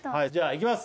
いきます